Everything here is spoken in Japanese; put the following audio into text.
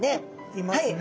いますね。